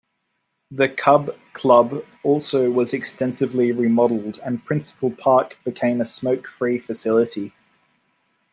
The Cub Club also was extensively remodeled and Principal Park became a smoke-free facility.